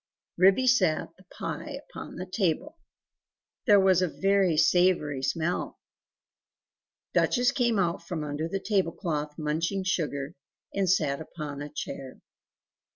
Ribby set the pie upon the table; there was a very savoury smell. Duchess came out from under the table cloth munching sugar, and sat up on a chair.